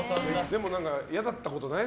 でも、嫌だったことない？